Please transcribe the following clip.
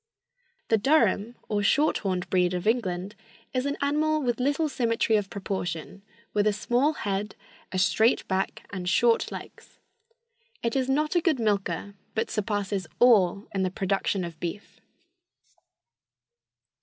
The Durham or short horned breed of England is an animal with little symmetry of proportion, with a small head, a straight back and short legs. It is not a good milker, but surpasses all in the production of beef.